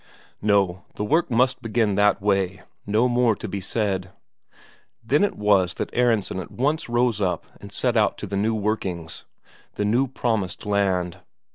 No, the work must begin that way; no more to be said. Then it was that Aronsen at once rose up and set out for the new workings, the new promised land.